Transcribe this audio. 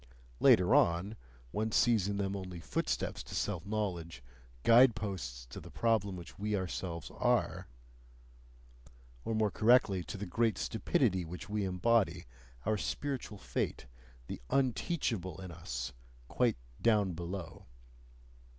Later on one sees in them only footsteps to self knowledge, guide posts to the problem which we ourselves ARE or more correctly to the great stupidity which we embody, our spiritual fate, the UNTEACHABLE in us, quite "down below."